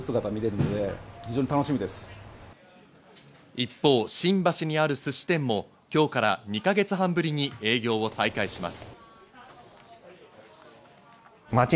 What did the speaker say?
一方、新橋にあるすし店も、今日から２か月半ぶりに営業を再開します。